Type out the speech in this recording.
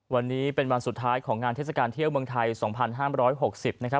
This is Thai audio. วันนี้เป็นวันสุดท้ายของงานเทศกาลเที่ยวเมืองไทย๒๕๖๐นะครับ